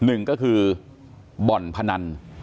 หนึ่งก็คือบ่อนพนัน